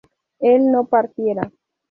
él no partiera